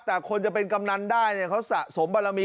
แต่คนจะเป็นกำนันได้เนี่ยเขาสะสมบารมี